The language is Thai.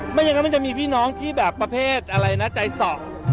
ไม่อย่างนั้นมันจะมีพี่น้องที่แบบประเภทอะไรนะใจส่อง